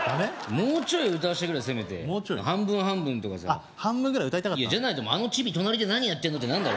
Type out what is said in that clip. もうちょい歌わしてくれせめて半分半分とかさあっ半分ぐらい歌いたかった？じゃないと「あのチビ隣で何やってんの？」ってなんだろ